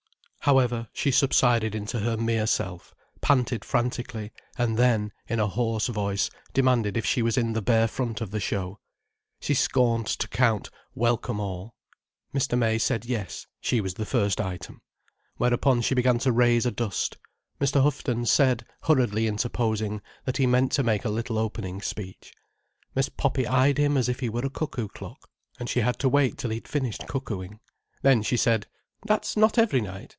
However, she subsided into her mere self, panted frantically, and then, in a hoarse voice, demanded if she was in the bare front of the show. She scorned to count "Welcome All." Mr. May said Yes. She was the first item. Whereupon she began to raise a dust. Mr. Houghton said, hurriedly interposing, that he meant to make a little opening speech. Miss Poppy eyed him as if he were a cuckoo clock, and she had to wait till he'd finished cuckooing. Then she said: "That's not every night.